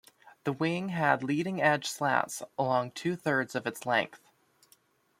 The wing had leading edge slats along two-thirds of its length.